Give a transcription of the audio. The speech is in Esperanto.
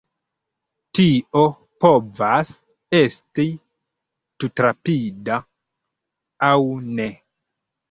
Tio povas esti tutrapida, aŭ ne.